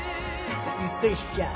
びっくりしちゃう。